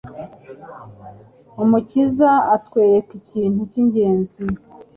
Umukiza atwereka ikintu cy’ingenzi